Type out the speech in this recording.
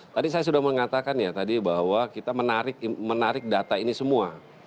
tadi saya sudah mengatakan ya tadi bahwa kita menarik data ini semua